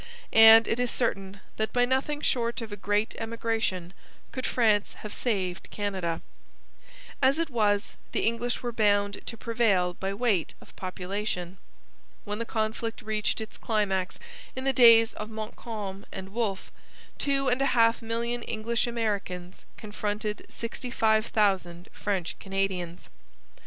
And it is certain that by nothing short of a great emigration could France have saved Canada. As it was, the English were bound to prevail by weight of population. When the conflict reached its climax in the days of Montcalm and Wolfe, two and a half million English Americans confronted sixty five thousand French Canadians.